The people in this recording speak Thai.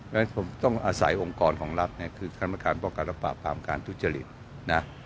ฉะนั้นผมต้องอาศัยองค์องค์รของรัฐคือคำนักการปกกรรมการตุจจ